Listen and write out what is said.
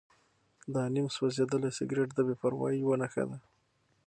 دا نیم سوځېدلی سګرټ د بې پروایۍ یوه نښه وه.